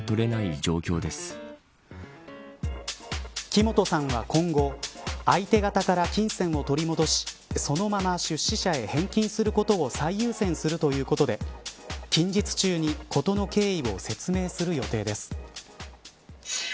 木本さんは今後相手方から金銭を取り戻しそのまま出資者へ返金することを最優先するということで近日中に事の経緯を説明する予定です。